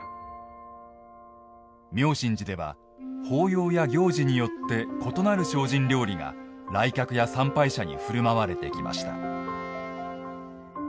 妙心寺では、法要や行事によって異なる精進料理が来客や参拝者にふるまわれてきました。